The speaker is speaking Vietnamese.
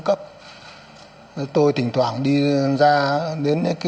đặc biệt quan trọng